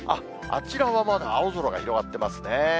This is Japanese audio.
あちらはまだ青空が広がってますね。